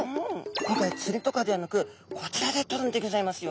今回つりとかではなくこちらで取るんでギョざいますよ。